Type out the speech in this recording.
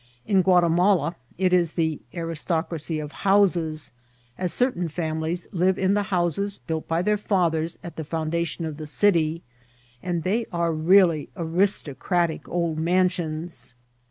In Guatimala it is the aristocracy of houses, as certain Cunilies live in the houses built by their fathers at the foundation of the city, and they are really aristocratie old mansions.